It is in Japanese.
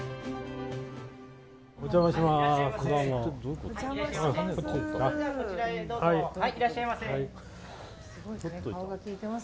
お邪魔します。